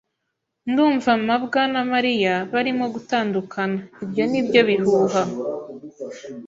"Ndumva mabwa na Mariya barimo gutandukana." "Ibyo ni byo bihuha."